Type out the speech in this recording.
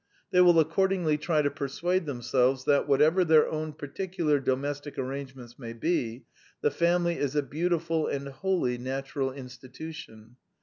They will ac cordingly try to persuade themselves that, what ever their own particular domestic arrangements may be, the family is a beautiful and holy natural institution.